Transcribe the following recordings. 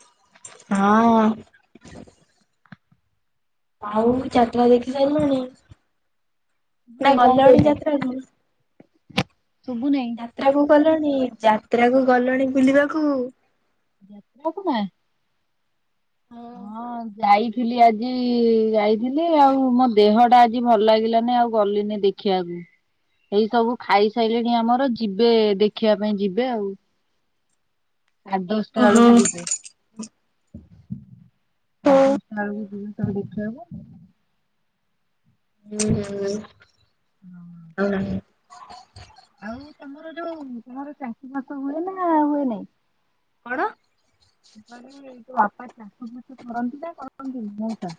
ହଁଅଁ, ଆଉ ଚାରିଟା ଦେଖି ସାରିଲୁଣି? ନା ନାଇଁ କଣ ଗଲଣି କହିଲୁ ଯାତ୍ରାକୁ। ଶୁଭୁ ନାଇଁ? ଯାତ୍ରା କୁ ଗଲଣି ଯାତ୍ରା କୁ ଗଲଣି ବୁଲିବାକୁ। କୁ ମା ହଁ, ହଁ ଯାଇଥିଲି ଆଜି ଯାଇଥିଲି ଆଉ ମୋ ଦେହ ଟା ଆଜି ଭଲ ଲାଗିଲାନି ଆଉ ଗଲିନି ଦେଖିବାକୁ। ଏଇ ସବୁ ଖାଇସାଇଲେଣି ଆମର ଯିବେ ଦେଖିବା ପାଇଁ ଯିବେ ଆଉ ଆଠ ଦଶଟା ଓହୋ ବେଳକୁ ଯିବେ। ହୁଁ ଦସଟା ବେଳକୁ ଯିବେ ସବୁ ଦେଖିବାକୁ। ହୁଁ ହୁଁ ହ, ହୁଁ, [inaudible] ତମର ଯୋଉ ତମର ଚାଷୀ ବାସ ହୁଏ ନା ହୁଏ ନାଇଁ। କଣ ଘରେ ଜଉ ଆପ ଚାଷ ବାସ କରନ୍ତି ନା କରନ୍ତିନି ମଉଷା।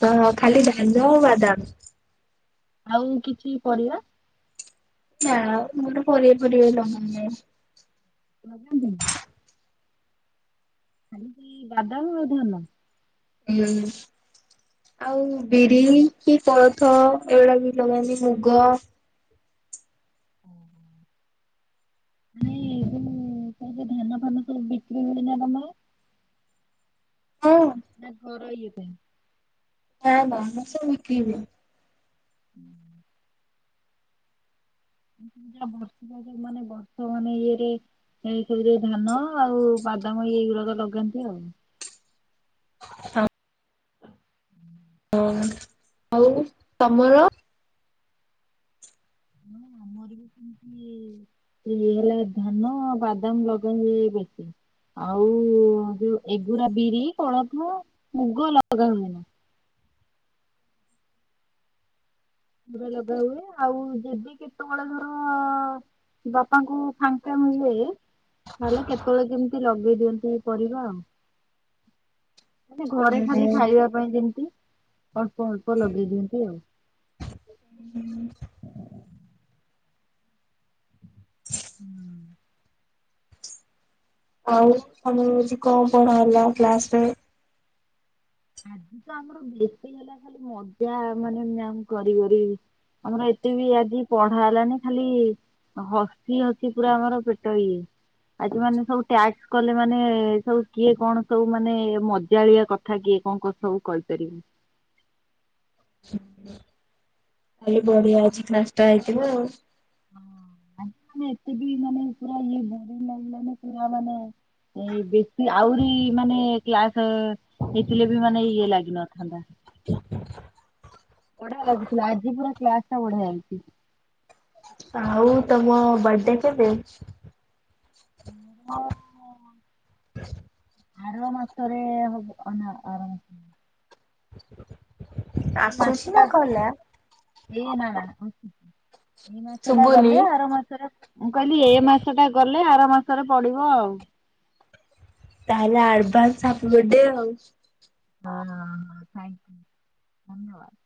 ହଁ ଖାଲି ଧାନ ଆଉ ବାଦାମ। ଆଉ କିଛି ପରିବା? ନାଁ ମୁଟେ ପରିବା ଫରିବା ଲ ଲଗାନ୍ତିନି? ଖାଲିକି ବାଦାମ ଆଉ ଧାନ। ହୁଁ, ଆଉ ବିରି କି କୋଳଥ ଏଗୁଡା ବି ଲଗାନ୍ତି ମୁଗ ହୁଁ ଉଁ ମାନେ ଉଁ ଧାନ ଫାନ ସବୁ ବିକ୍ରି ହୁଏନା ତମର? ହଁ, ନା ଘରଇଏ ପାଇଁ? ନା ନାଆମର ସବୁ ବିକ୍ରି ହୁଏ। ହୁଁ, ଯାହା ବର୍ଷ ମାନେ ବର୍ଷ ମାନେ ଇଏରେ ସେଇସବୁରେ ଧାନ ଆଉ ବାଦାମହି ଏଇଗୁଡାକ ଲଗାନ୍ତି ଆଉ ହ ଆଉ ତମର? ହଁ [unintelligible] ଆମର ବି ସେମତି ହେଲା ଧାନ ବାଦାମ ଲଗାନ୍ତି ବେଶି। ଆଉ ଯୋଉ ଏଗୁରା ବିରି କୋଳଥ ମୁଗ ଲଗା ହୁଏନି। ପୁରା ଲଗା ହୁଏ ଆଉ ଯେବେ କେତେବେଳେ ଧର ବାପାଙ୍କୁ ଫାଙ୍କା ମିଳେ ତାହଲେ କେତେବେଳେ କେମିତି ଲଗେଇ ଦିଅନ୍ତି ଏଇ ପରିବା ଆଉ। [inaudible] ମାନେ ଘରେ ହୁଁ ଖାଲି ହୁଁ ଖାଇବା ପାଇଁ ଯେମିତି। ଅଳ୍ପ ଅଳ୍ପ ଲଗେଇ ଦିଅନ୍ତି ଆଉ। ହୁଁ ହୁଁ, ଆଉ ତମର ଆଜି କଣ ପଢା ହେଲା କ୍ଲାସରେ- ଆଜି ତ ଆମର ବେଶୀ ହେଲା ଖାଲି ମଜା ମାନେ ମ୍ୟାମ କରି କରି ଆମର ଏତେ ବି ଆଜି ପଢା ହେଲାନି ଖାଲି ହସି ହସି ପୁରା ଆମର ପେଟ ଇଏ। ଆଜି ମାନେ ସବୁ ଟାସ୍କ କଲେ ମାନେ ସବୁ କିଏ କଣ ସବୁ ମାନେ ମଜାଳିଆ କଥା କିଏ କଣ କ ସବୁ କହିପାରିବୁ। ଖାଲି ବଢିଆ ଅଛି ନଷ୍ଟା ହେଇଥିବ ଆଉ। ଏତେ ବି ମାନେ ପୁରା ଇଏ ମାନେ ପୁରା ମାନେ ଏଇ ବେଶୀ ଆହୁରି ମାନେ କ୍ଲାସ ହେଇଥିଲେ ବି ମାନେ ଇଏ ଲାଗିନଥାନ୍ତା [inaudible] ବଢିଆଲାଗୁଥିଲା ଆଜି ପୁରା କ୍ଲାସ ଟା ବଢିଆ ହେଇଛି। ଆଉ ତମ ବଡେ କେବେ? [unintelligible] [inaudible] ଆର ମାସ ରେ ହବ ଆର ମାସ। ଆସୁ ସ ନା କହିଲା। ଏ ନା। [unintelligible] ଏଇ ମାସ ଟା ଶୁଭୁନି? ଗଲେ ଆର ମାସ ମୁଁ କହିଲି ଏ ମାସ ଟା ଗଲେ ଆର ମାସରେ ପଡିବ ଆଉ। ତାହେଲେ ଆଡଭାନ୍ସ ହାପିବଡେ ଆଉ। ହଁ ଥ୍ୟଙ୍କ ଧନ୍ୟବାଦ।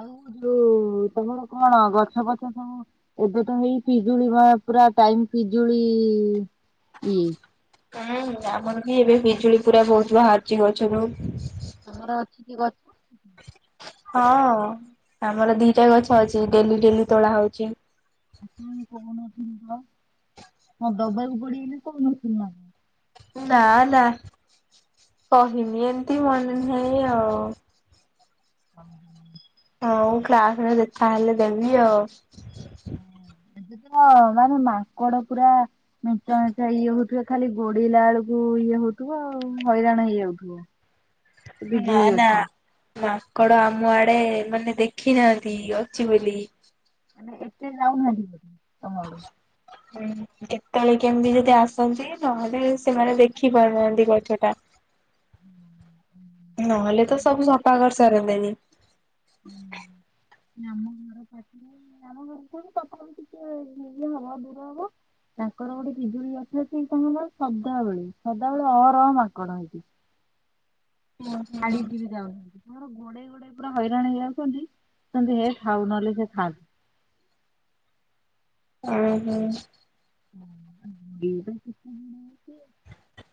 ଆଉ ଯୋଉ ତମର କଣ ଗଛ ପଛ ସବୁ ଏବେ ତ ହେଇ ପିଜୁଳି ବା ପୁରା ଟାଇମ ପିଜୁଳି ଏଇ। ହୁଁ ଆମର ବି ଏବେ ବିଜୁଳି ପୁରା ବହୁତ ବାହାରୁଚି ଗଛରୁ। ତମର ଅଛିିକି ଗଛ? ହଁ ଆମର ଦିଟା ଗଛ ଅଛି ଡେଲି ଡେଲି ତୋଳା ହଉଛି। ମଁ ଦବାକୁ ପଡିଗଲେ କ ନଥିଲ ନା କ? ନା ନା କହିନି ଏମିତି ମନେ ନାହିଁ ଆଉ। ଓ ହ। ହଉ କ୍ଲାସରେ ଦେଖା ହେଲେ ଦେବି ଆଉ। ଏବେ ତ ମାନେ ମାଙ୍କଡ ପୁରା ମେଞ୍ଚା ମେଞ୍ଚା ଇଏ ହଉଥିବେ ଖାଲି ଗୋଡିଲା ବେଳକୁ ଇଏ ହଉଥିବ ଆଉ ହଇରାଣ ହେଇଯାଉଥିବ। [inaudible] ବିଜୁଳି ନା ଅଛି। ମାଙ୍କଡ ଆମ ଆଡେ ମାନେ ଦେଖି ନାହାନ୍ତି ଅଛି ବୋଲି। ଆ ଏତେ ଲାଉନ ହେଜି ବ ତମ ଆଡେ। ହ କେତେବେଳେ କେମତି ଯଦି ଆସନ୍ତି ନହେଲେ ସେମାନେ ଦେଖି ପାରୁନାହାନ୍ତି ଗଛ ଟା। ନହେଲେ ତ ସବୁ ସଫା କରି ସାରନ୍ତେନି। [inaudible] ଆମ ଘର ପାଖରେ ଆମ ଘରକୁ ତପମ ଟିକେ ଇଏ ହବ ଦୂର ହବ। ତାଙ୍କର ଗୋଟେ ବିଜୁଳି ଗଛ ଅଛି ହେ ସେ ତାଙ୍କ ସଦାବେେଳେ ସଦାବେଳେ ଅ ରଅ ମାଙ୍କଡ ହେଇଛି। [inaudible] [unintelligible] ମୋର ଗୋଡେଇ ଗୋଡେ ପୁରା ହଇରାଣ ହେଇଯାଉଛନ୍ତି ହେ ଖାଉ ନହେଲେ ସେ ଖାଆନ୍ତି। [inaudible] ଓ ହୋଁ। [unintelligible]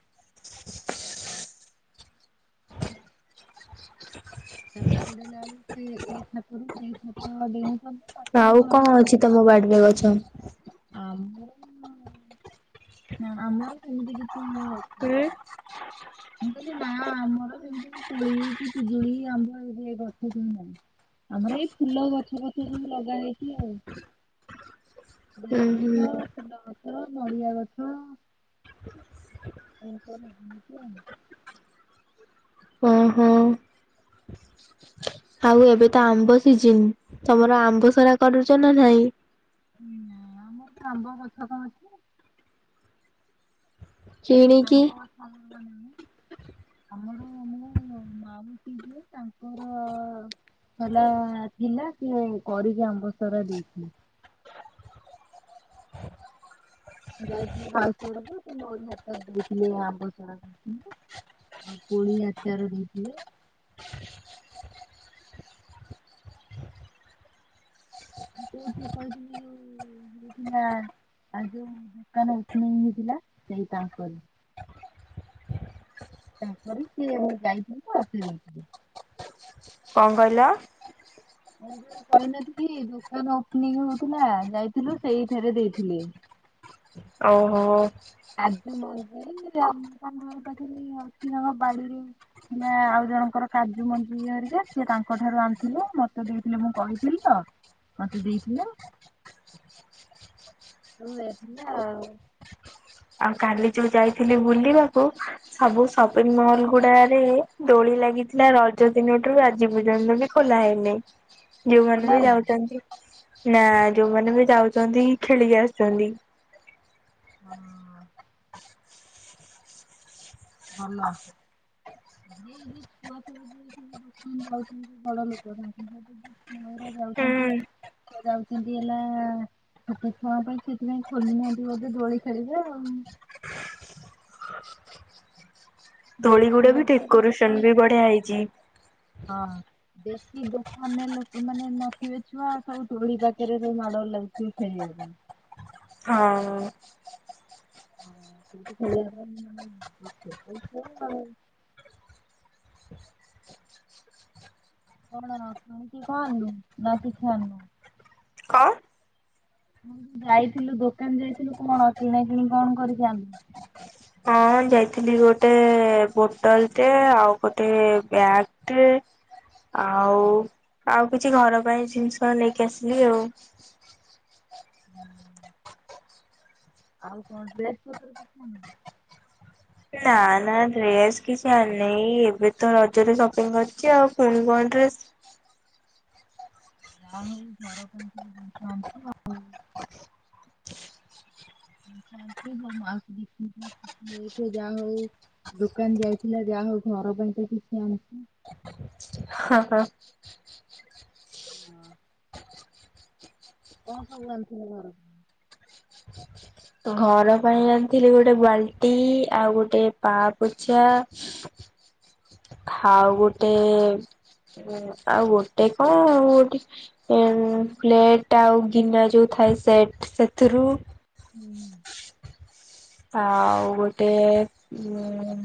[unintelligible] ପାଖରେ ଆଉ ଘର କଣ ଗୁରା ଅଛି ତମ ବାଡି ରେ ଗଛ? ଆମର ନା ଆମର ସେମତି କିଛି ହୁଁ। ମୁଁ କହିଲେ ନା ଆମର ଯେମିତି କି କୋଳି କି ପିଜୁଳି ଆମର ଏବେ ଗଛ କି ନାହିଁ। ଆମର ଏଇ ଫୁଲ ଗଛ ପଛ ସବୁ ଲଗାଯାଇଛି ଆଉ। ବେଲ ହୁଁ ଗଛ ଫୁଲ ଗଛ ନଡ଼ିଆ ଗଛ ଏମତି ସବୁ ଲଗେଇଚି ଆଉ। ଓହୋ ଆଉ ଏବେ ତ ଆମ୍ବ ସିଜନ ତମର ଆମ୍ବ ସରା କରୁଛ ନା ନାଇଁ? ନାଇଁ ଆମର ଆମ୍ବ ଗଛ କଣ ଅଛି। କିଣିକି? ଆମ୍ବ ଗଛ ଆମର ପା ନାଇଁ। ଆ ପିଇସି ଯିଏ ତାଙ୍କର ଅ ହେଲା ଥିଲା ସେ କରିକି ଆମ୍ବସରା ଦେଇଥିଲେ। ହ [inaudible] ଯାଇଥିଲେ ବାଉସରକୁ ସେ ମୋରି ହାତରେ ଦେଇଥିଲେ ଆମ୍ବସରା ସମସ୍ତଙ୍କୁ। ଆଉ ପୁଣି ଆଚାର ଦେଇଥିଲେ। କୋଉଠି କହିଥିଲି ଯୋଉ ଯଉଠି ନାଁ। ଆଉ ଯୋଉ ଦୋକାନ ପୁଅ ନେଇଥିଲା ସେଇ ତାଙ୍କରି। କରିଛି ମୁଁ ଯାଇଥିଲ ତ ସେ ଦେଇଥିଲେ। କଣ କହିଲ? ଯୋଉ କହିନଥିଲି ଦୋକାନ ଓପନିଂ ହଉଥିଲା ଯାଇଥିଲୁ ସେଇଠାରେ ଦେଇଥିଲେ। ଓହୋ, କାଜୁ ମଞ୍ଜି ରା ଘର ପାଖରେ ଅଛି ତାଙ୍କ ବାଡିରେ। ହେଲେ ଆଉ ଜଣଙ୍କର କାଜୁ ମଞ୍ଜିରେ ସିଏ ତାଙ୍କ ଠାରୁ ଆଣିଥିଲେ ମତେ ଦେଇଥିଲେ ମୁଁ କହିଥିଲି ତ। ମତେ ଦେଇଥିଲ? [inaudible] ଆଉ କାଲି ଯୋଉ ଯାଇଥିଲି ବୁଲିବାକୁ ସବୁ ସପିଙ୍ଗ ମଲ ଗୁଡାରେ ଦୋଳି ଲାଗ ଲାଗିଥିଲା ରଜ ଦିନଠୁ ଆଜି ପର୍ଯ୍ୟନ୍ତ ବି ଖୋଲା ହେଇନି ଭଲ ଯଉମାନେ ବି ହେଇନି। ଯାଉଚନ୍ତି ନା ଯୋଉମାନେ ବି ଯାଉଚନ୍ତି ଖେଳିକି ଆସୁଚନ୍ତି। ହଁ ଅଁ ଭଲ। ଏଇ ଯେ ଛୁଆସବୁ ଦୋକାନ ଯାଉଛନ୍ତି ବଡ ଲୋକ ଯାଉଛନ୍ତି [unintelligible] ଯାଉଛନ୍ତି ଯାଉଛନ୍ତି ହେଲା ଛୋଟ ଛୁଆ ପାଇଁ ସେଥିପାଇଁ ଖୋଲିନାହାନ୍ତି ବୋଧେ ଦୋଳି ଖେଳିବେ ଆଉ [inaudible] ଦୋଳି ଗୁଡା ଏବେ ବି ଠିକ ଯିଏ ଯୋଉ ଦୋକାନ କରୁସନ୍ତି ବଢିଆ ହେଇଚି। ହଁ, ବେଶୀ ଦୋକାନେ ଲୋକ ମାନେ ନଥିବେ ଛୁଆ ସବୁ ଦୋଳି ପାଖରେ ସବୁ ମାଡ଼ ଗୋଡ଼ ଲାଗୁଥିବେ ଖେଳିବା ହ, ହଁ, ହ ସବୁତ ଖେଳିବା ପାଇଁ ଛୋଟ ଛୁଆ ଆଉ। କଣ କିଣିକି କଣ ଆଣିଲୁ ନା କିଛି ଆଣିନୁ? କଣ? ମୁଁ ଯାଇଥିଲୁ ଦୋକାନ ଯାଇଥିଲୁ କଣ କିଣା କିିଣି କଣ କରିବୁ ଆମେ। ହଁ ଯାଇଥିଲି ଗୋଟେ ବୋଟଲ ଟେ ଆଉ ଗୋଟେ ବ୍ୟାଗ ଟେ ଆଉ ଆଉ କିଛି ଘର ପାଇଁ ଜିନିଷ ନେଇକି ଆସିଲି ଆଉ। ଆଉ କଣଡ୍ରେସ ପତର କିଛି ଆଣିନୁ? ନା ନା ଡ୍ରେସ କିଛି ଆଣିିନହି ଏବେ ତ ରଜରେ ସପିଂ କରିଛି ଆଉ ପୁଣି କଣ ଡ୍ରେସ ହ ଯାହା ହଉ ଘର ପାଇଁ କି ଜିନିଷ ଆଣିଚୁ ଆଉ। [inaudible] ଜିନିଷ ଆଣିଛ ମୋ ମାଉସି ଦେଖିକି ଖୁସି ହଇଯାଇଥିବ ଯାହା ହଉ ଦୋକାନ ଯାଇଥିଲା ଯା ଉ ଘର ପାଇଁ ତ କିଛି ଆଣିଛି। ହଁ ହଁ, ହଁ, କଣ ସବୁ ଆଣିଥିଲୁ ଘରୁ? ଘର ପାଇଁ ଆଣିଥିଲି ଗୋଟେ ବାଲ୍ଟି, ଆଉ ଗୋଟେ ପା ପୋଛା ଆଉ ଗୋଟେ ଆଉ ଗୋଟେ କଣ ଆଉ ଗୋଟେ ଏଁ ପ୍ଲେଟ ଆଉ ଗିନା ଯୋଉ ଥାଏ ସେଟ୍ ସେଥିରୁ ହୁଁ ଆଉ ଗୋଟେ ଉମ୍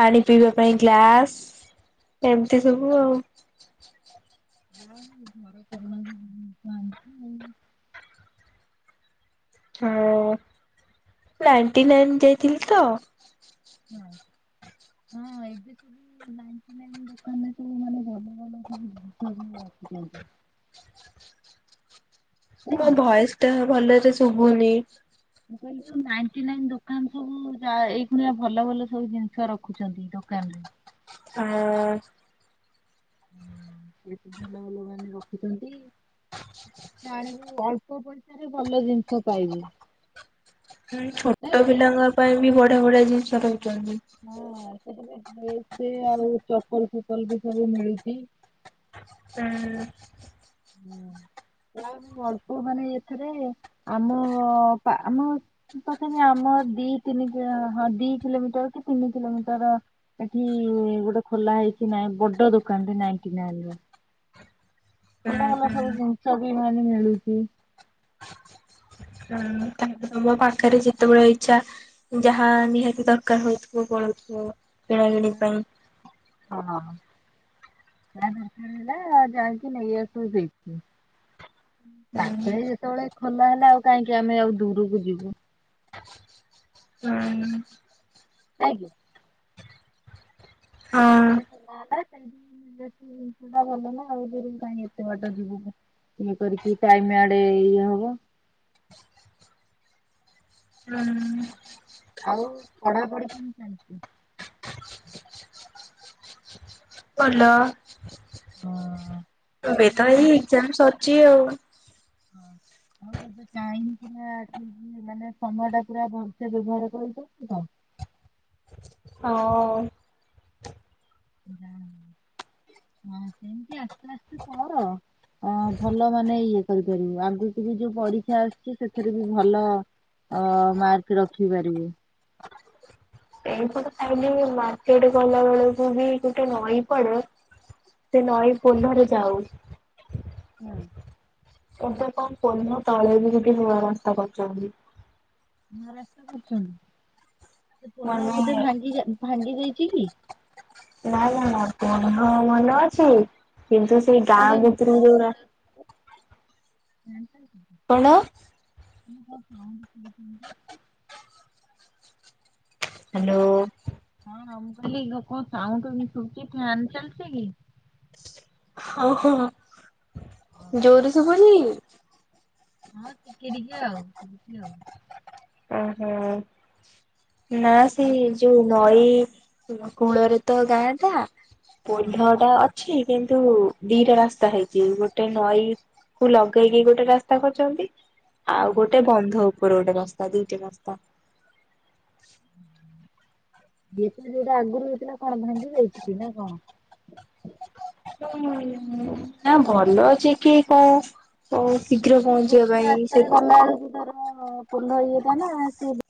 ପାଣି ପିଇବା ପାଇଁ ଗ୍ଲାସ ଏମତି ସବୁ ଆଉ। ଯା ହଉ ଘର କରଣା ଜିନିଷ ସବୁ ଆଣିଚୁ ଆଉ। ହଉ। ନାଇଣ୍ଟି ନାଇନ୍ ଯାଇଥିଲି ତ ହଁ। ହଁ ଦୋକାନ [unintelligible] [unintelligible] [inaudible] ମୋ କି? ଭଏସ ଟା ଭଲରେ ଶୁଭୁନି। ମୁଁ କହିଲି କଣ ନାଇଣ୍ଟି ନାଇନ୍ ଦୋକାନ ସବୁ ଯାଏ ଏଇଥିଲା ଭଲ ଭଲ ସବୁ ଜିନିଷ ରଖୁଛନ୍ତି ଦୋକାନୀ। ଆ ହଁ ସେତ ଭଲ ଭଲ ମାନେ ରଖୁଛନ୍ତି ଆଣିବୁ ଅଳ୍ପ ପଇସାରେ ଭଲ ଜିନିଷ ପାଇବୁ। ହଁ ନାଇଁ ଛୋଟ କି? ପିଲାଙ୍କ ପାଇଁ ବି ବଢିଆ ବଢିଆ ଜିନିଷ ରଖୁଛନ୍ତି। ଗିଫ୍ଟ ଆଉ ଚପଲ ଫପଲ ବି ସବୁ ମିଳୁଚି। ହୁଁ। ଯା ହଉ ଅଳ୍ପ ମାନେ ଏଥେରେ ଆମ ଆମ ତଥାପି ଆମ ଆମ ଦି ତିନି ହଁ ଦି କିଲୋମିଟର କି ତିନି କିଲୋମିଟର ଏଠି ଗୋଟେ ଖୋଲା ହେଇଛି ନାଇଁ ବଡ ଦୋକାନ ଟେ ନାଇଣ୍ଟି ନାଇନ୍ ର। ଭଲ ଭଲ ସବୁ ଜିନିଷ ବି ମାନେ ମିଳୁଚି ହଁ ତାପରେ ତମ ପାଖରେ ଯେତେବେଳେ ଇଚ୍ଛା ଯାହା ନିହାତି ଦରକାର ହୋଇଥିବ ପଳଉ ଓ କିଣାକିଣି ପାଇଁ ଜବ ଦରକାର ହେଲା ଆ ଯାଇକି ନେଇ ଆସୁଥିବ ସେଇଠୁ। ହୁଁ ପାଖେରେ ଯେତେବେଳେ ଖୋଲା ହେଲା ଆଉ କାହିଁକି ଆମେ ଆଉ ଦୂରକୁ ଯିବୁ? ହୁଁ ହୁଁ। ଆଜ୍ଞା। ହଁ [unintelligible] ସେଇଟା ଭଲ ନା ଆଉ ଯୋଉ କାଇଁ ଏତେ ବାଟ ଯିବୁ ପୁଣି। ଇଏ କରିକି ଟାଇମ ଆଡେ ଇଏ ହବ ହୁଁ ଆଉ ପଢାପଢି କଣ ଚାଲିଚି? ଭଲ। ଏବେ ତ ଏଇ ଏକ୍ଜାମ ସରିଚି ଆଉ। ଆଉ ଏବେ ଟାଇମ୍ ଟା ମାନେ ସମୟ ଟା ପୁରା ଭଲସେ ବ୍ୟବହାର କର। [unintelligible] ହଁ। ହଁ ହଁ ସେମତି ଅ ତୁ ଆସି କର ଭଲ ମାନେ ଇଏ କରିପାରିବୁ। ଆଗକୁ ବି ଯୋଉ ପରୀକ୍ଷା ଆସୁଚି ସେଥିରେ ବି ଭଲ ଅ ମାର୍କ ରଖି ପାରିବୁ। ଏଇପଟ ସାଇଟ୍ ରେ ମାର୍କେଟ ଗଲା ବେଳକୁ ବି ଗୋଟେ ନଈ ପଡେ ସେ ନଈ ପୋଲରେ ଯାଉ। ହୁଁ। ଏବେ କଣ ପୋଲ ତଳେ ବି ଗୋଟେ ନୂଆ ରାସ୍ତା କରୁଛନ୍ତି। ନୂଆ ରାସ୍ତା କରୁଛନ୍ତି। ସେ ପୋଲ ମାନେ ବୋଧେ ଭାଙ୍ଗି ଯାଇ ଭାଙ୍ଗି ଯାଇଚି କି କି! ନାଇ ନା ନା ପଣି ହ ମନେ ଅଛି କିନ୍ତୁ ସେଇ କଣ ଗାଁ ଗୋଟେ ଭିତରୁ ହଁ ଯଉା [unintelligible] କଣ? [unintelligible] ହ୍ୟାଲୋ। ହଲି କଣ ସାଉଣ୍ଡ ଶୁବଛି ଫ୍ୟାନ ଚଲଛି କି? ଓହୋ ଓହୋ ଜୋରୁ ସବୁନ ହଁ ଟିକେ ଟିକେ ଶୁଭୁଚି ଆଉ। ଓହୋ ନା ସେ ଆଉ ଯୋଉ ନଈ କୂଳରେ ତ ଗାଁ ଟା ହଁ ପୋଲ ଟା ଅଛି କିନ୍ତୁ ଦିଟା ରାସ୍ତା ହେଇଛି, ଗୋଟେ ନଈ କୁ ଲଗେଇକି ଗୋଟେ ରାସ୍ତା କରଛନ୍ତି। ହୁଁ। ଆଉ ଗୋଟେ ବନ୍ଧ ଉପରେ ଗୋଟେ ବସ୍ତା ଦିଟେ ବସ୍ତା [inaudible] ଦ ତ ଯୋଉଟା ଆଗରୁ ହେଇଥିଲା କଣ ଭାଇନ୍ତି ଦେଇଛି କି ନା କଣ? ନା ଭଲ ଅଛି କିଏ କଣ ହଉ ଶୀଘ୍ର ପହଞ୍ଚିବା ପାଇଁ ସେ ଫୁଲ ଇଏଟା ନା ସେଏ